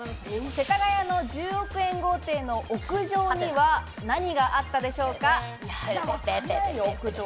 世田谷の１０億円豪邸の屋上には何があったでしょうか？